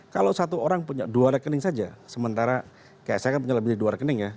kalau satu orang punya dua rekening saja sementara saya kan punya lebih dari dua rekening ya